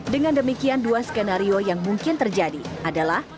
dengan demikian dua skenario yang mungkin terjadi adalah